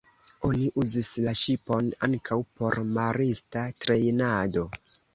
Oni uzis la ŝipon ankaŭ por marista trejnado.